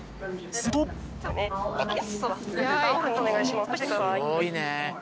すごいね。